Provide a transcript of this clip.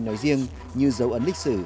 nói riêng như dấu ấn lịch sử